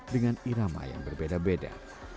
dengan irama yang berbeda beda